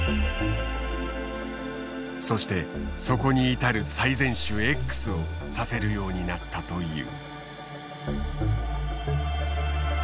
そしてそこに至る最善手Ｘを指せるようになったという。